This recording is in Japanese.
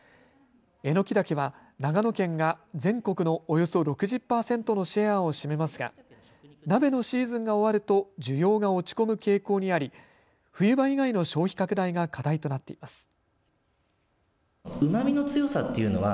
エノキダケは長野県が全国のおよそ６０％のシェアを占めますが鍋のシーズンが終わると需要が落ち込む傾向にあり冬場以外の消費拡大が課題となっています。